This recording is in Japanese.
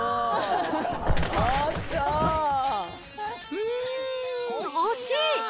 うーん、惜しい。